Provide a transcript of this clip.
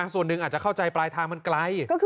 ส่วนหนึ่งอาจจะเข้าใจปลายทางมันไกล